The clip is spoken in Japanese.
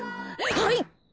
はい。